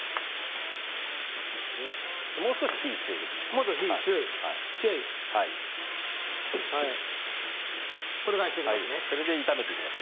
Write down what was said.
もう少し、火を強くします。